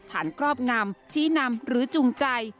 ฐานกรอบนำชี้นำหรือจุงใจ